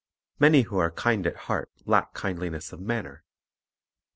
* Many who are kind at heart lack kindliness of manner.